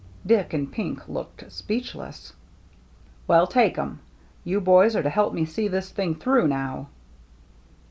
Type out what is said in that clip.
Dick and Pink looked speechless. " Well, take 'em. You boys are to help me see this thing through, now."